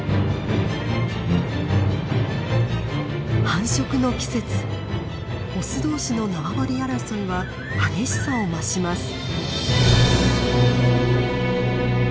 繁殖の季節オス同士の縄張り争いは激しさを増します。